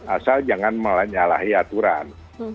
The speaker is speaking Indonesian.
asal jangan menyalahi aturan